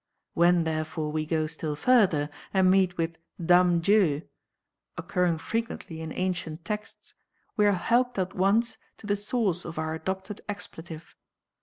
_ When, therefore, we go still further, and meet with dame Dieu! occurring frequently in ancient texts we are helped at once to the source of our adopted expletive.